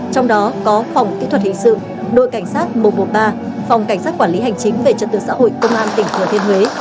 trong đó có phòng kỹ thuật hình sự đội cảnh sát một trăm một mươi ba phòng cảnh sát quản lý hành chính về trật tự xã hội công an tỉnh thừa thiên huế